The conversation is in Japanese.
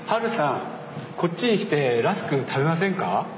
こっちに来てラスク食べませんか？